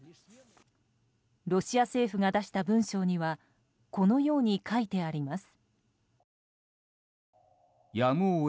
ロシア政府が出した文章にはこのように書いてあります。